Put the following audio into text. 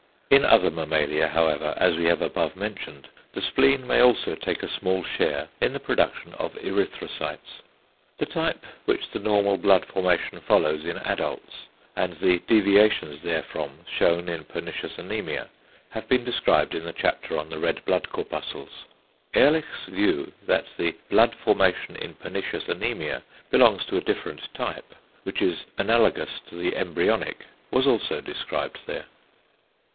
In other mammalia however, as we have above mentioned (see page 99), the spleen may also take a small share in the production of erythrocytes. The type which the normal blood formation follows in adults, and the deviations therefrom shewn in pernicious anæmia, have been described in the chapter on the red blood corpuscles. Ehrlich's view that the blood formation in pernicious anæmia belongs to a different type, which is analogous to the embyronic, was also described there.